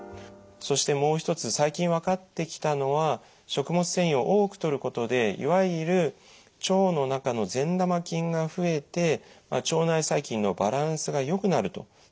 そしてもう一つ最近分かってきたのは食物繊維を多くとることでいわゆる腸の中の善玉菌が増えて腸内細菌のバランスがよくなると。